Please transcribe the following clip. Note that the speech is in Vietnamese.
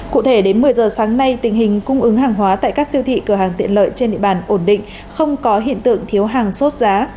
cụ thể đến một mươi giờ sáng nay tình hình cung ứng hàng hóa tại các siêu thị cửa hàng tiện lợi trên địa bàn ổn định không có hiện tượng thiếu hàng sốt giá